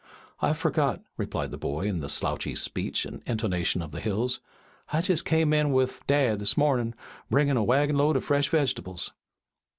"I've forgot," replied the boy in the slouchy speech and intonation of the hills. "I jest came in with dad this mornin', bringin' a wagon load of fresh vegetables."